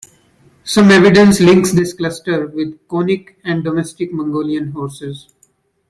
Some evidence links this cluster with Konik and domestic Mongolian horses.